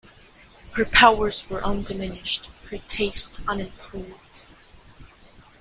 'Her powers were undiminshed, her taste unimproved.